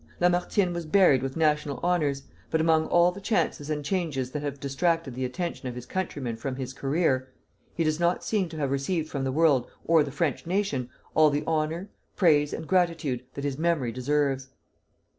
Lamartine was buried with national honors; but among all the chances and changes that have distracted the attention of his countrymen from his career, he does not seem to have received from the world or the French nation all the honor, praise, and gratitude that his memory deserves.